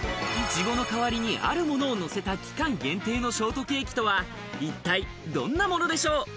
いちごの代わりにあるものをのせた期間限定のショートケーキとは、一体どんなものでしょう？